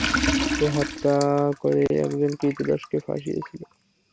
সে হত্যার করে একজন ক্রীতদাসকে ফাঁসিয়েছিল।